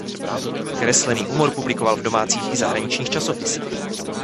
Kreslený humor publikoval v domácích i zahraničních časopisech.